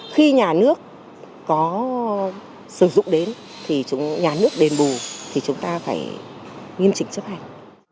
khi nhà nước có sử dụng đến thì nhà nước đền bù thì chúng ta phải nghiêm chỉnh chấp hành